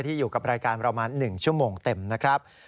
อยู่กับรายการประมาณ๑ชั่วโมงเต็มนะครับ